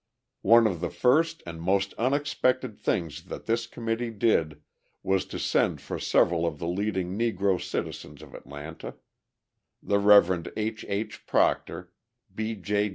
One of the first and most unexpected things that this committee did was to send for several of the leading Negro citizens of Atlanta: the Rev. H. H. Proctor, B. J.